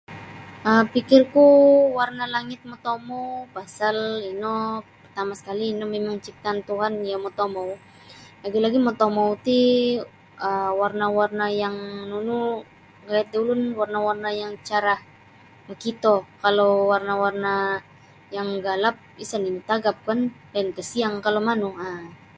um Pikirku warna langit motomou pasal ino pertama sekali ino mimang ciptaan Tuhan iyo motomou lagi-lagi motomou ti nunu gayad da ulun warna-warna yang cerah makito kalau warna yang gelap isa nini matagapkan lainkah siang kalau manu.